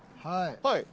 はい。